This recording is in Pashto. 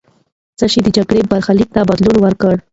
څه شی د جګړې برخلیک ته بدلون ورکړ؟